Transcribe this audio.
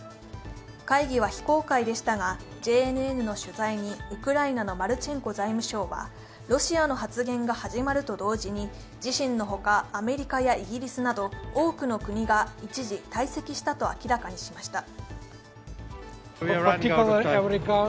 会議は非公開でしたが、ＪＮＮの取材にウクライナのマルチェンコ財務相はロシアの発言が始まると同時に自身のほか、アメリカやイギリスなど多くの国が一時退席したと明らかにしました。